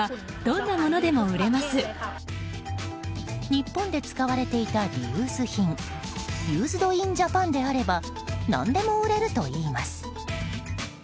日本で使われていたリユース品ユーズド・イン・ジャパンであれば何でも売れるといいます。